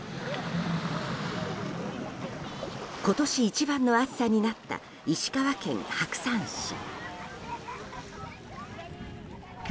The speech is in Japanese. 今年一番の暑さになった石川県白山市。